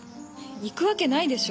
行くわけないでしょ。